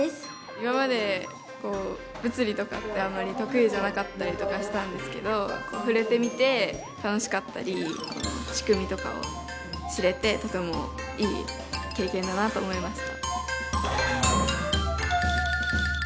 今まで物理とかってあんまり得意じゃなかったりとかしたんですけど触れてみて楽しかったり仕組みとかを知れてとてもいい経験だなと思いました。